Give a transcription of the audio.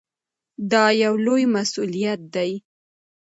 دا یو لوی مسؤلیت دی.